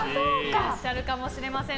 いらっしゃるかもしれません。